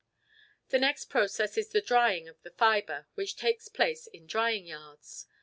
The next process is the drying of the fibre, which takes place in drying yards.